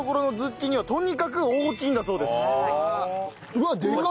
うわでかっ！